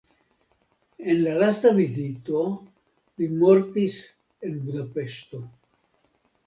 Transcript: En la lasta vizito li mortis en Budapeŝto.